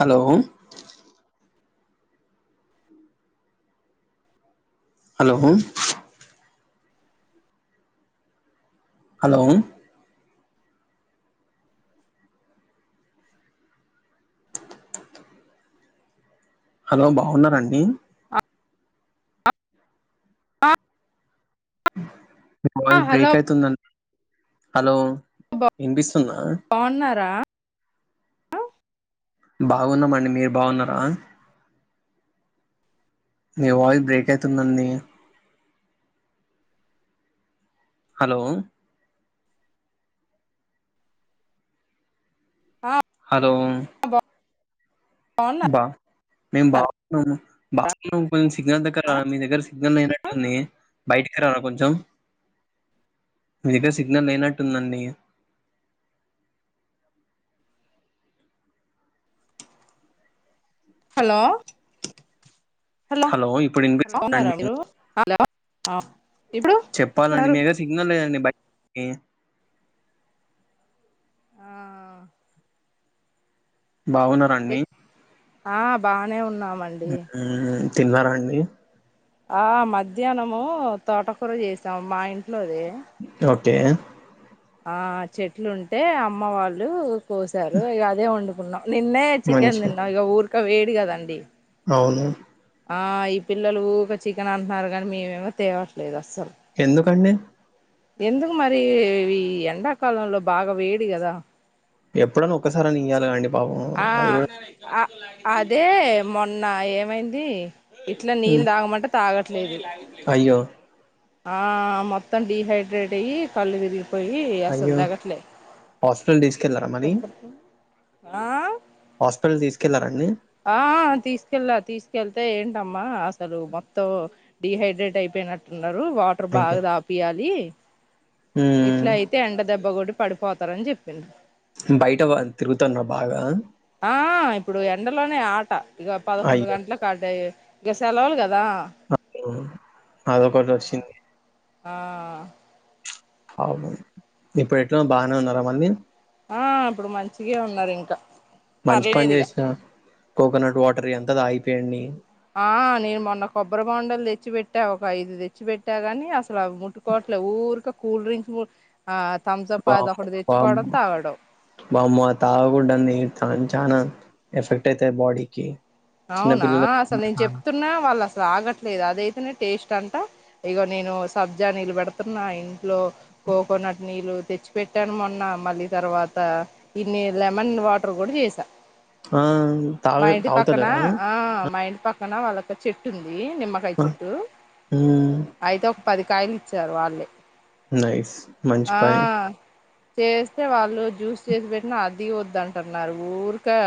Hello hello hello hello బాగున్నారండి హా హా వాయిస్ బ్రేక్ అయ్తుందండీ హలో బా- ఇనిపిస్తుందా బాగున్నారా బాగున్నామండి మీరు బాగున్నారా మీ వాయిస్ బ్రేక్ అయితుందండి హలో ఆ హలో బాగున్నారా బా మేము బాగున్నాము బాగున్నా కొంచెం సిగ్నల్ దగ్గర మీ దగ్గర సిగ్నల్ లేయినట్టుంది బయటికి రారా కొంచెం మీ దగ్గర సిగ్నల్ లేనట్టుందండి హలో హలో ఇప్పుడు హలో వినిపించింది బాగున్నారా అండి మీరు హలో ఆ ఇప్పుడు చెప్పాలండి సారు మీగా సిగ్నల్ లేదండి బ ఆ బావున్నారండి ఎ- ఆ బాగానే ఉన్నా మ్ తిన్నారా అండి ఆ మధ్యాహ్నము తోటకూర చేసాము మా ఇంట్లోదే ఓకే ఆ చెట్లు ఉంటే అమ్మ వాళ్ళు పోశారు ఇక అదే వండుకున్నాం నిన్నే చికెన్ మంచి తిన్నాం ఇక ఊరు ఉక్క వేడి కదండి అవును ఆ ఈ పిల్లలు ఒక చికెన్ అంటున్నారు కానీ మేమేమో తేవట్లేదు అస ఎందుకండి ఎందుకు మరి ఈ ఎండాకాలంలో బాగా వేడి కదా ఎప్పుడన్నా ఒక్కసారి అని ఇయ్యాలండి ఆ అదే మొన్న ఏమైంది ఇట్లా నీళ్ళు ఉమ్, తాగమంటే తాగట్లేదు అయ్యో ఆ మొత్తం డిహైడ్రేట్ అయ్యి కళ్ళుతిరిగి పోయి అసల్ అయ్యో తగ్గట్లే హాస్పిటల్ తీసుకెళ్లారా మరి ఆ హాస్పిటల్ తీసుకెళ్లారండి ఆ తీసుకెళ్ళా తీసుకెళ్తే ఏంటమ్మా అసలు మొత్తం డిహైడ్రేట్ అయిపోయినట్లు అన్నారు వాటర్ అయ్యో బాగా దాపియాలి ఉమ్, ఇట్లా అయితే ఎండ దెబ్బ గడు పడిపోతారని చెప్పింది బయట వ తిరుగుతాన్నా బాగా ఆ ఇప్పుడు ఎండలోనే ఆట ఇక పదకొండు గంటల కటయి గసలావల్గా అద కొ వచ్చింది ఆ అవు ఇప్పుడు ఎట్లా బాగానే ఉన్నారా మళ్ళీ ఆ ఇప్పుడు మంచిగా ఉన్నారు ఇంకా మంచి పని పర్లేదు ఇక చేసినా కోకోనట్ వాటర్ ఎం దా అయిపోయింది‌ ఆ నేను మొన్న కొబ్బరి బొండలు తెచ్చిపెట్టా ఒక ఐదు తెచ్చిపెట్టా గాని అస లవి ముట్టు కోట్లే ఊరుక కూల్ డ్రింక్స్ కూడ్ ఆ థమ్సప్ అది బామ్ ఒకటి బామ్ తెచ్చుకోవడం తాగడం బామో ఆ తాగుడనదే అంచ్ చానా ఎఫెక్ట్ అయితది బాడీకి అవునా చిన్నపిల్లలు అసలు నేను చెప్తున్నా వాళ్ళు అసలు ఆగట్లేదు అదైతేనే టేస్ట్ ంట ఇగ నేను సబ్జా నీలు పెడుతున్నా లో కోకోనట్ నీళ్ళు తెచ్ చ్చి పెట్టాను మొన్న మళ్ళీ తర్వాత ఇన్ని లెమన్ వాటర్ కూడా చేసా ఆ మా తాగలేదు ఇంటి తగుతలే పక్కన ఆ మా ఇంటి పక్కన వాళ్ళకి చెట్టు ఉంది ది నిమ్మకాయ ఆ, చెట్టు ఉమ్. అయితే పది కాయలు ఇచ్చారు వాళ్ళే నైస్ మంచి ఆ పని చేస్తే వాళ్ళు జ్యూస్ చేసి పెట్టినా అదీ వద్దంటున్నారు ఊరికే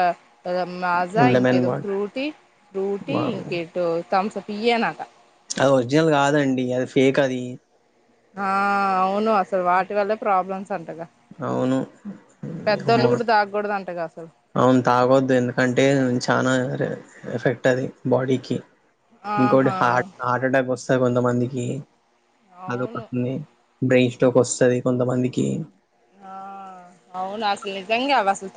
ఇగ మాజా లెమన్ ఇంకేదో వాట్ ఫ్రూటీ ఫ్రూటీ వావ్ ఇంకేంటో థమ్స్ అప్ పిఏ నాక అవీ ఒరిజినల్ కాదండి అది ఫేక్ అది ఆ అవును అసలు వాటి వల్లే ప్రాబ్లమ్స్ అంటగా అవును అమ్ పెద్దోళ్ళు కూడా తాగకూడదంటగా అసలు అవును తాగొద్దు ఎందుకంటే చానా ర్ ఎఫెక్ట్ అది బాడీకి ఇంకొకటి ఆహా హార్ట్-హార్ట్ఎటాక్ వస్త్ తాద్ కొంతమందికి అవును అదొకటుంది బ్రేయిన్ ఇట్లోకి వస్తది కొంతమందికి ఆ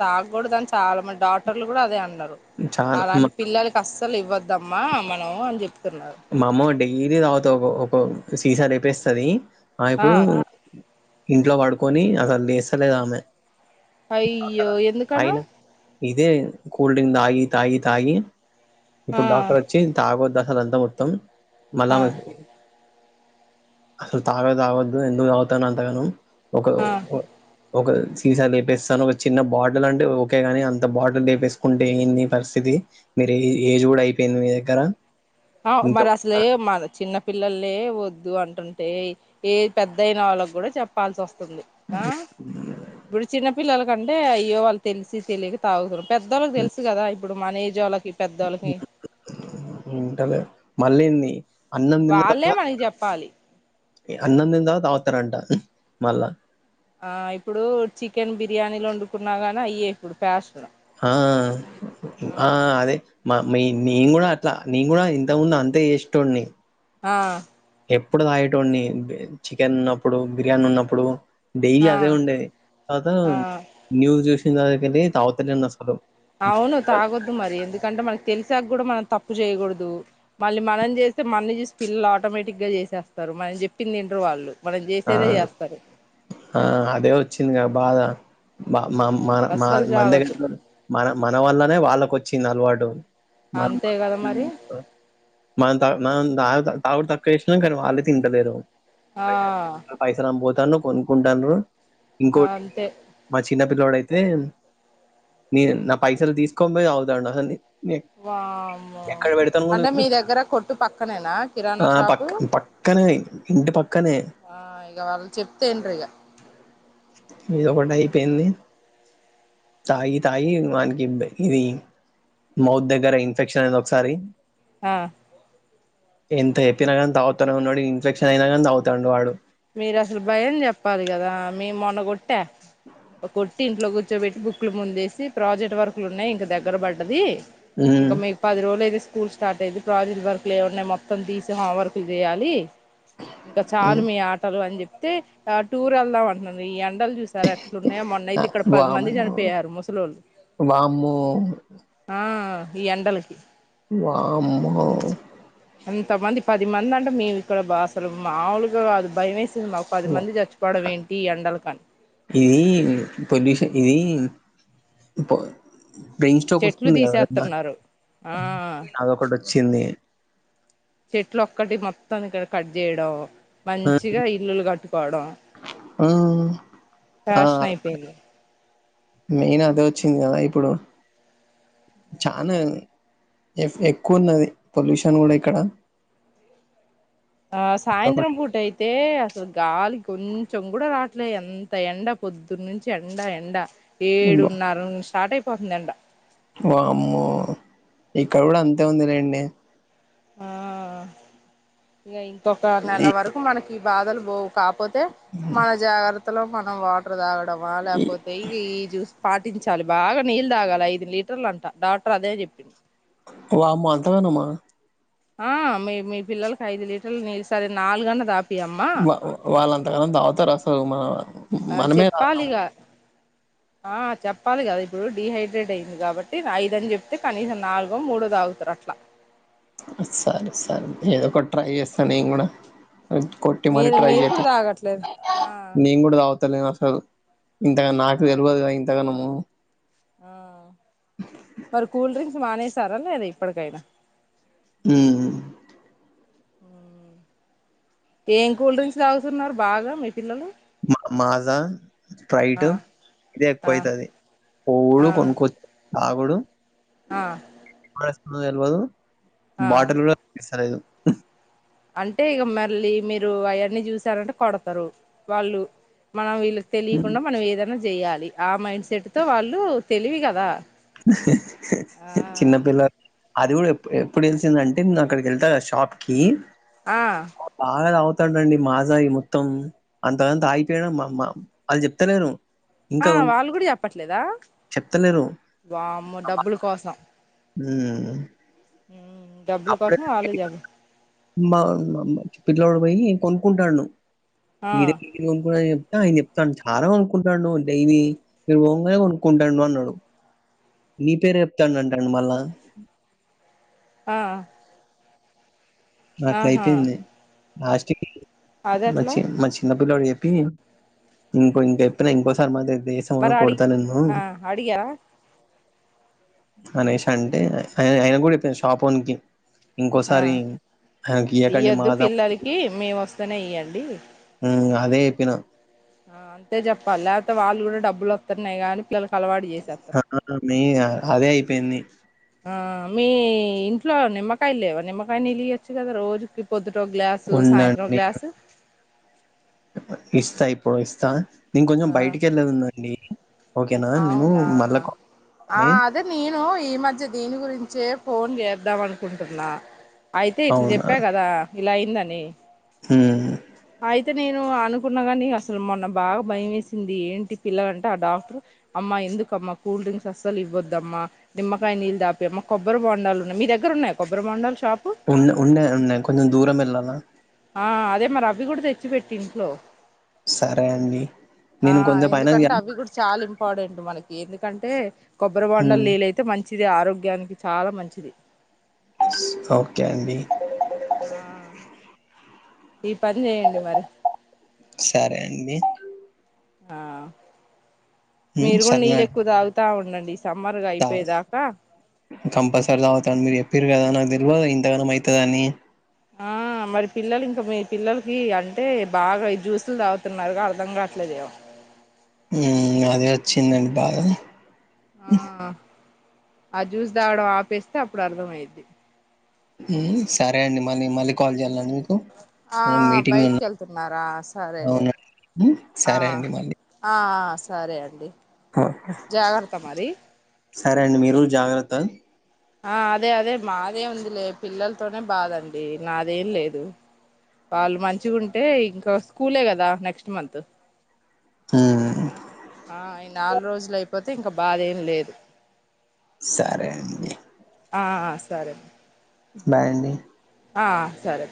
తాగ కూడదని చాలా మంది డాక్టర్లు కూడా అదే అన్ టార్ చాలా మా అలాంటి పిల్లలకి అస్సలు ఇవ్వద్ వద్దమ్మా మనం అని చెప్ మామో డైలీ తగుతా ఒకో ఒకో సీసా లేేపేస్తది ఆ ఇప్పుడు ఇంట్లో పడుకొని అసలు లేస్తలేదు ఆమె అయ్యో ఎందుకణ అయినా ఇదే కూల్ డ్రింక్ తాగి తాగి తాగి ఆ ఇప్పుడు డాక్టర్ వచ్చి తాగద్ హలంతా మొత్తం ఆ మలామ అలు తగద్ ఆవద్దు ఎందుకు తాగుతావు అంతగాను ఒక ఆ ఒక సీసా లేపేస్తాను ఒక చిన్న బాటిల్ అంటే ఓకే గాని అంత బాటిల్ లేపేసుకుంటే ఏంది పరిస్థితి మీరు ఏ ఏజ్ కూడా అయిపోయింది మీ దగ్గర ఆ ఇంకా మరి అసలే మన చిన్న పిల్లలే వద్దు అంటుంటే ఏ పెద్దయిన వాళ్ళకి కూడా చెప్పాల్సి వస్తుం స్తుంది ఆ ఇప్పుడు చిన్న పిల్లల అంటే అయ్యో వాళ్ళు తెలిసి తెలియక తాగుతురు పెద్దవాళ్ళకి తెలుసు కదా ఇప్పుడు మన ఏజ్ వాళ్ళకి పెద్దలకి ఉంటలే మళ్ళీ ఇన్ని వాళ్ళే మనకి చెప్పాలి అన్నం తిన్నా తవాత తాగుతారంట మళ్ళా ఆ ఇప్పుడు చికెన్ బిర్యానీలు వండుకున్నా గాని అయ ఇప్పుడు ఫ్యాష ఆ ఆ అదే మా మీ నీను కూడా అట్లా నీ కూడా ఇంతముందు అంతే చేసేటోడ్ని ఆ ఎప్పుడు తాగేటోని చికెన్ ఉన్నప్పుడు బిర్యానీ ఉన్నప్పుడు డెలీ అదే ఆ ఉండేది తవాత న్యూూ [unintelligible] తాగుతున్న అసలు అవును తాగొద్దు మరి ఎందుకంటే మనకి తెలి సగ్ కూడా మనం తప్పు చేయకూడదు మళ్ళి మనం చేస్తే మన్నీ పిల్లలు ఆటోమేటిక్ గా చేసేస్తారు మనం చెప్పింది వినర్రు వాళ్ళు మనం ఆ చేసేదే చేస్తారు ఆ అదే వచ్చిందిగా బాద మ మ ఆ మన అస్సలు మన తాగొద్దు దగ్గర మన మన వల్లనే వాళ్ళకు వచ్చింది ఇన్ అలవాటు మ అంతే కదా మరి మనం త న తాగత తాగుడు తక్కువ చేశా కానీ వాళ్ళే తింటలేరు ఆ పైసరామ్ బో తను కొనుక్కుంటాను ఇంకోతి అంతే మా చిన లోడ్ అయితే నే నా పైసలు తీసుకోనీ పోయి అగుతండూ దాని వామ్మొ అంటే మీ గుర్తు దగ్గర కొట్టు పక్క కమాన్ ఆ పక్క పక్కనే ఇంటి పక్కనే ఆ ఇగ వాళ్ళు చెప్తే ఇంటరు ఇగ ఇది ఒకటి అయిపోయింది తాగి తాగి వానికి ఇది మౌత్ దగ్గర ఇన్ఫెక్షన్ అయింది ఒకసారి ఆ ఎంత చెప్పిన కానీ తాగుతేనున్నడు ఇన్ఫెక్షన్ అయినా కానీ తగుతాండు వాడు మీరు అసలు భయం చెప్పాలి కదా మీ మొన్నగోట్టి కుట్ట కుర్ ట్ ఇంట్లో కూర్చోబెట్టి బుక్లు ముందేసి ప్రాజెక్ట్ వర్కులు ఉన్నాయి ఇంక దగ్గర పడ్డది ఉమ్, ఇంక మీకు పది రోజులు అయితే స్కూల్స్ స్టార్ట్ అయిది ప్రాజట్ వర్క్లు లేమున్న మొత్తం తీసి హాం వర్క్లు చేయాలి ఇంక చాలు ఉమ్, మీ ఆ అని చెప్తే ఆ టూరెల్దమ్ అంటుంది ఈ ఎండలు చూస్తే సరే అట్లునయో ఆ, మొన్నయితే ఇక్కడ పది మంది వామ్మో చనిపోయారు ముసలొళ్ళు వామ్మో ఆ ఈ యెన్డలకి వామ్మో ఎంతమంది పది మంది అంటే మేవి ఇక్కడ బా అసలు మాములుగా అది భయమే ఎండలకని ఇది పొల్యూషన్ ఇది పొ బ్రెయిన్ స్తొక్క్ చెట్లు వస్తుంది కదా తీసేస్తున్నారు ఆ అదొకటి వచ్చింది చెట్లు ఒక్కటి మొత్తం ఇక్కడ కట్ చేయడం మంచిగా ఇల్లులు కట్టుకోవడం ఫ్యాషన్ అయిపోయింది మెయిన్ అదే వచ్చింది కదా ఇప్పుడు చాన ఎక్కువన్నది పొల్యూషన్ కూడా ఇక్కడ ఆ సాయంత్రం ఫుటైతే అసల్ గాలి కొంచెం కూడా రాట్లే ఎంత ఎండ పొద్దున్న నుంచి ఎండ ఎండ వామ్మో ఏడున్నార నుంచి స్టార్ట్ అయిపో [unintelligible] నిండా వామ్మో ఇక్కడ కూడా అంతే ఉంది లేండి ఆ ఇగ ఇంకొక నెల ఈ వరకు మనకి ఈ బాధలు పోవు కాపోతే మన జాగ్రత్త అంత లోపు మనం వాటర్ తాగ వా ఈ లేకపోతే ఇ ఈ జ్యూస్ పా ట్టించాలి బాగా నీళ్ తాగాలి ఐదు లీటర్లు అంట డాక్టర్ అదే చెప్పింది వామ్మో అంత గణమా ఆ మీ మీ పిల్లలకి ఐదు లీటర్లు నీళ్ళు సరే నాలుగన్న దాపి వా వాళ్ళ ఎంతకన తాగుతారు అసలు మ మనమే తగము చెప్పాలిగా ఆ చెప్పాలి కదా ఇప్పుడు డిహైడ్రేట్ అయింది కాబట్టి ఐద అని చెప్తే కనీసం నాలుగో మూడో తాగుతారు అట్లా సరే సరే ఏదో ఒకటి ట్రై చేస్తా నేను కూడ కొట్టి మరి మీరు ట్రై మీరు చే కూడా తాగట్లేదు ఆ నేనగూడ ఎత్తలేన్ అసలు ఇంతగా నాకు ఆ తెలివదు గ ఇంతగానము ఆ మరి కూల్ డ్రింక్స్ మానేసారా లేదా ఇప్పటికైనా మ్మ్ ఏం కూల్ డ్రింక్స్ తాగుతున్నారు బాగా మీ పిల్లలు మా మాసా స్పైట్ ఆ ఇదే ఎక్కువ ఆ అయితది ఆ బోల్డు కొనుక్కోచ్చు అబుడు ఆ తెలవదు ఆ బాటల్ కూడా అరదు అంటే ఇగ మళ్ళీ మీరు అవన్నీ చూసారంటే కొడతారు వాళ్ళు మనం వీళ్ళు తెలియకుండ మనం ఏదైనా చేయాలి ఆ మైండ్ సీటుతో వాళ్ళు తెలివి కద చిన్నపిల్లలు అది కూడా ఎప్పుడు తేలిసిందంటే నేను అక్కడికి వెళ్తా కద షాప్ కి ఆ అండీ మాజా ఈ మొత్తం అంతదంతా ఆగిపోయినా మా అది చెప్తలేను ఆ వాళ్ళ కూడ చెప్పట్లేద చెప్తలేరు వామ్మో డబ్బుల కోసం హ్మ్ హ్మ్ అప్పుడే మమ్మ పిల్లోడు పోయి కొనుక్కుంటాడు ఆ ఐదేకడ్కెలి కొనుకునది ఆయన చెప్తాను చాలా కొనుక్కుంటాడును డైలీ నేను పొంగానే కొనుక్కుంటానుడు అన్నాడు నీ పేరే చెప్తానంట మళ్ళా ఆ నాకు ఆహా అయిపోయింది లాస్ట్ కి అదెట్లా మచ్చి మ చ్చిన పిలోడ్ ఇంకో ఇంక చెప్పిన ఇంకోసారి మాది దేశమా మరి అడిగి కొడుతానిన్ను ఆ అడిగారా అనేష అంటే ఆయన కూడా చెప్పింది షాప్ ఓనికి ఆ ఇంకోసారి ఆయనకి ఇయకండి మాదాం స్థానే ఇవ్యండి అదే చేప్పిన ఆంతె జప్పాల వాళ్ళు కూడా డబ్బులు వస్తున్నాయి కానీ పిల్ల ఆ న అదే అయిపోయింది ఆ మీ ఇంట్లో నిమ్మకాయలు లేవా నిమ్మకాయ నీళ్ళు ఇయ్యాచు కదా రోజుకి పొద్దు గ్లాసు సాయంత్రం ఉండండి గ్లాసు ఇస్తా ఇప్పుడు ఇస్తా నేను కొంచెం ఆ బయటికి వేలేది ఉందండి ఓకేనా నేను అవునా మళ్ళా ఆ కాల్ అదే నేను ఈ మధ్య దీని గురించే ఫోన్ చేద్దాం అనికుంటున్న అయితే ఇట్లా అవునా చెప్పా కదా ఇలా అయిందంన్ నీ హ్మ్ అయితే నేను అనుకున్నా కానీ అసలు మొన్న బాగా భయం వేసింది ఏంటి పిల్లలంటే ఆ డాక్టర్ అమ్మ ఎందుకమ్మా కూల్ డ్రింక్స్ అస్సలు ఇవ్వద్దమ్మా నిమ్మకాయ నీళ్ళు దాపి అమ్మా కొబ్బరి బొండాలు ఉన్నాయి మీ దగ్గర ఉన్నాయి కొబ్బరి బొండాలు షా ఉన్నా ఉండే ఉన్నాయి కొంచెం దూరం ఎళ్ళాలా ఆ అదే మరి అవి కూడా తెచ్చిపెట్టి ఇంట్లో సరే అండి ఆ నేను కొంచెం పైన ఎందుకంటే అవి కూడా చాలా ఇంపార్టెండ్ మనకి ఎందుకంటే కొబ్బరి బండల్ లిళ్లు అయితే మంచి మంచిది ఆరోగ్యానికి చాలా మంచిది ఓకే అండి ఆ ఈ పని చేయండి మరి సరే అండి ఆ మీరు కూడా సరే నీళ్ళు ఎక్కువ తాగుతా ఉండండి ఈ సమ్మర్గా అయిపోయేదాకా కంపల్సరీ తాగుతా అండి మీరు [unintelligible] గదా తెలువదా ఇంతగనం అయితదని ఆ మరి పిల్లలు ఇంకా మీ పిల్లలకి అంటే బాగా ఈ జ్యూసులు తాగుతున్నారు గా అర్ధం కావట్లేదేమో హ్మ్ అదే వచ్చిందండి బాధ ఆ ఆ జ్యూస్ తాగడం ఆపేస్తే అప్పుడు అర్ధం అయిద్ది హ్మ్ సరే అండి మళ్ళీ మళ్ళీ కాల్ చేయాల అండి మీకు ఆ కొంచెం మీటింగ్ బయట్ ఉన్నా కెళ్తున్నారా సరేలే అవునండి ఆ సరే అండి మళ్ళీ ఆ ఆ సరే అండి జాగ్రత్త మరి సరే అండి మీరు జాగ్రత్త ఆ అదే అదే మాదే ఉంది లే పిల్లలతోనే బాదండి నాదేం లేదు వాళ్ళు మంచిగా ఉంటే ఇంకా స్కూలే కదా నెక్స్ట్ మంత్ హ్మ్ ఆ ఈ నాలుగు రోజులు అయిపోతే ఇంకా బాదెం లేదు సరే అండి ఆ ఆ సరే బాయ్ అండి ఆ సరే